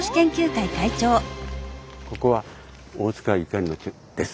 ここは大塚ゆかりの地ですね。